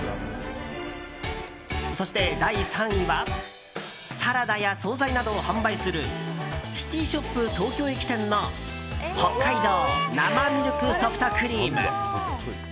そして第３位はサラダや総菜などを販売するＣＩＴＹＳＨＯＰ東京駅店の北海道生ミルクソフトクリーム。